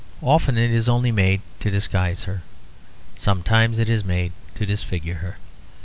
Often it is only made to disguise her; sometimes it is made to disfigure her.